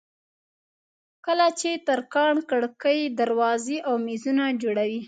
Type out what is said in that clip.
کله چې ترکاڼ کړکۍ دروازې او مېزونه جوړوي.